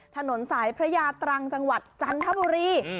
ถนนสายพระยาตรังจังหวัดจันทบุรี